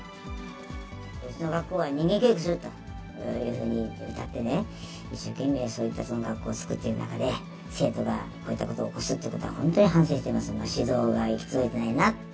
うちの学校は人間教育をするというふうにうたってね、一生懸命、そういった学校を作っている中で、生徒がこういったことを起こすってことは、本当に反省してます。